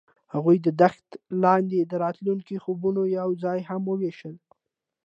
هغوی د دښته لاندې د راتلونکي خوبونه یوځای هم وویشل.